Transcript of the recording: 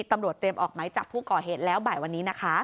ตำรวจเตรียมออกไหมจับผู้ก่อเหตุแล้วบ่ายวันนี้นะคะ